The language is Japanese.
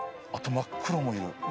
あと真っ黒もいる。